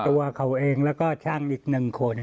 กลัวเขาเองแล้วก็ชั่งอีก๑คน